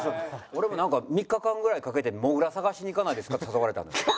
俺もなんか「３日間ぐらいかけてモグラ探しに行かないですか？」って誘われたんですよ。